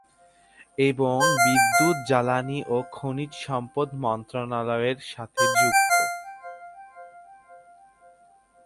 এবং বিদ্যুৎ, জ্বালানি ও খনিজ সম্পদ মন্ত্রণালয়ের সাথে যুক্ত।